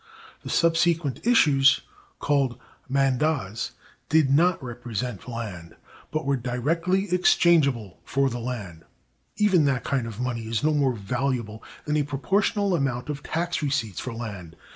The subsequent issues, called mandats, did not represent land, but were directly exchangeable for the land. Even that kind of money is no more valuable than a proportional amount of tax receipts for land.